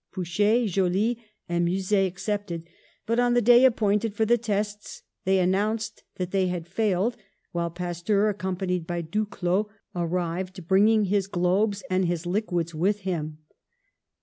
Pouchet, Joly and Mus set accepted, but on the day appointed for the tests they announced that they had failed, while Pasteur, accompanied by Duclaux, ar rived bringing his globes and his liquids with him.